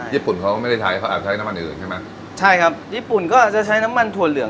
ญี่ปุ่นเขาไม่ใช้ให้ใช้น้ำมันอยู่ใช่ไหมใช่ครับญี่ปุ่นก็จะใช้น้ำมันถั่ว